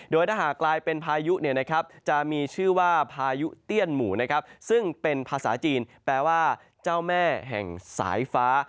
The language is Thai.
โดยถ้าหากกลายเป็นพายุจะมีชื่อว่าพายุเตี้ยนหมู่ซึ่งเป็นภาษาจีนแปลว่าเจ้าแม่แห่งสายฟ้า